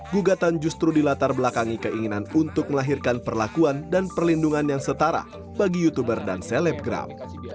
gugatan justru dilatar belakangi keinginan untuk melahirkan perlakuan dan perlindungan yang setara bagi youtuber dan selebgram